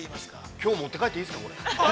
◆きょう持って帰っていいですか。